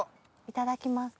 いただきます。